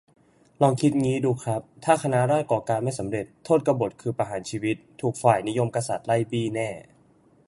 ลองคิดดูงี้ครับ ถ้าคณะราษฎรก่อการไม่สำเร็จ โทษกบฎคือประหารชีวิต ถูกฝ่ายนิยมกษัตริย์ไล่บี้แน่